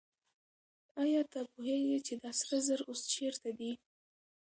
آیا ته پوهېږې چې دا سره زر اوس چېرته دي؟